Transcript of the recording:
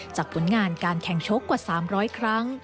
ผลงานการแข่งโชคกว่า๓๐๐ครั้ง